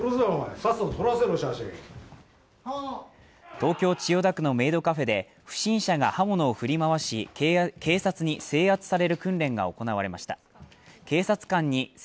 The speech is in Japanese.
東京・千代田区のメイドカフェで不審者が刃物を振り回し、警察官に制圧される訓練が行われました。